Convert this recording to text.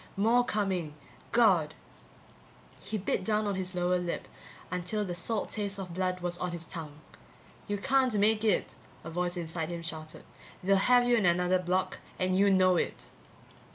More coming. God! He bit down on his lower lip until the salt taste of blood was on his tongue. You can't make it, a voice inside him shouted, they'll have you in another block and you know it!